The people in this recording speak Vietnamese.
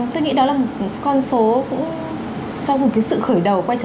tôi nghĩ đó là một con số cũng cho một cái sự khởi đầu